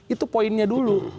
itu poinnya dulu